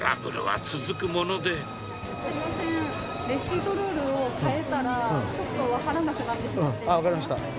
すみません、レシートロールを替えたら、ちょっと分からなくなってしまっ分かりました。